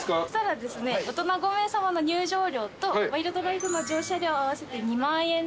大人５名さまの入場料とワイルドライドの乗車料合わせて２万円ですね。